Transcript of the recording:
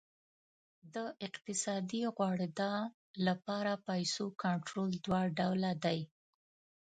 د اقتصادي غوړېدا لپاره پیسو کنټرول دوه ډوله دی.